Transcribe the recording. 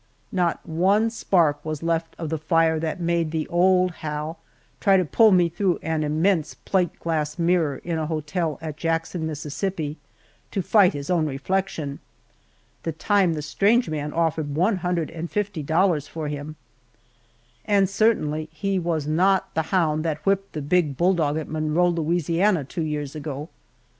Not one spark was left of the fire that made the old Hal try to pull me through an immense plate glass mirror, in a hotel at Jackson, Mississippi, to fight his own reflection (the time the strange man offered one hundred and fifty dollars for him), and certainly he was not the hound that whipped the big bulldog at Monroe, Louisiana, two years ago.